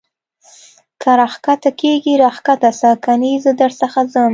که را کښته کېږې را کښته سه کنې زه در څخه ځم.